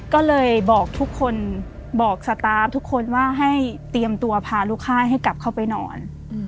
ก็เลยบอกทุกคนบอกสตาร์ฟทุกคนว่าให้เตรียมตัวพาลูกค่ายให้กลับเข้าไปนอน